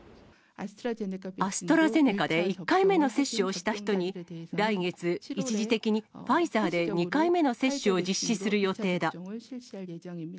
アストラゼネカで１回目の接種をした人に、来月、一時的にファイザーで２回目の接種を実施する予定だ。